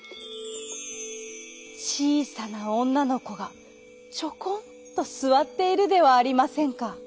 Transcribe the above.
ちいさなおんなのこがちょこんとすわっているではありませんか。